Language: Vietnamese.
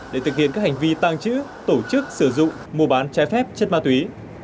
để thực hiện các hành vi tàng trữ tổ chức sử dụng mua bán trái phép chất ma túy